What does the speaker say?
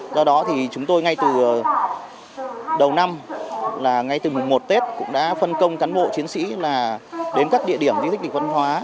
do đó thì chúng tôi ngay từ đầu năm ngay từ mùa một tết cũng đã phân công cán bộ chiến sĩ đến các địa điểm di tích văn hóa